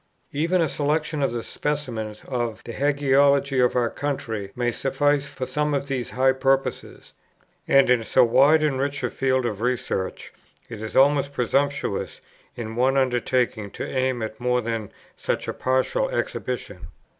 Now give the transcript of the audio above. Even a selection or specimens of the Hagiology of our country may suffice for some of these high purposes; and in so wide and rich a field of research it is almost presumptuous in one undertaking to aim at more than such a partial exhibition.